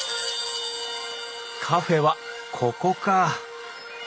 カフェはここか！